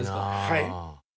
はい。